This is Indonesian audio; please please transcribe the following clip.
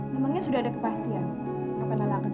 namanya sudah ada kepastian